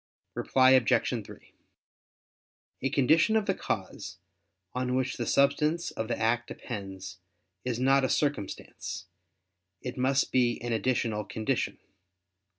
Reply Obj. 3: A condition of the cause, on which the substance of the act depends, is not a circumstance; it must be an additional condition.